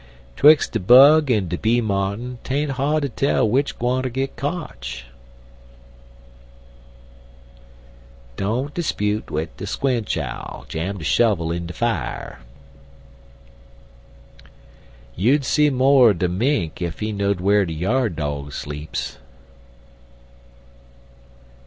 'Twix' de bug en de bee martin 'tain't hard ter tell w'ich gwineter git kotch. Don't 'sput wid de squinch owl. Jam de shovel in de fier. You'd see mo' er de mink ef he know'd whar de yard dog sleeps.